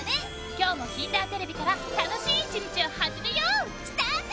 今日も『きんだーてれび』から楽しい一日を始めよう！スタート！